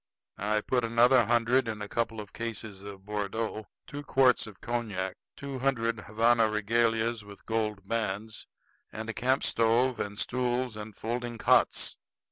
I put another hundred in a couple of cases of Bordeaux, two quarts of cognac, two hundred Havana regalias with gold bands, and a camp stove and stools and folding cots.